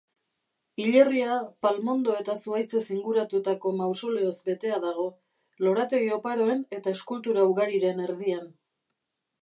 Hilerria palmondo eta zuhaitzez inguratutako mausoleoz betea dago, lorategi oparoen eta eskultura ugariren erdian.